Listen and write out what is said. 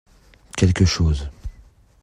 Quelque chose.